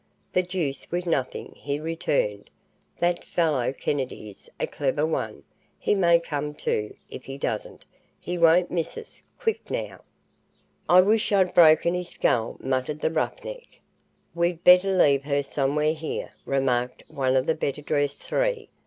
"The deuce with nothing," he returned. "That fellow Kennedy's a clever one. He may come to. If he does, he won't miss us. Quick, now!" "I wish I'd broken his skull," muttered the roughneck. "We'd better leave her somewhere here," remarked one of the better dressed three.